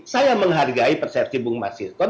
saya menghargai persepsi bung mas hilkon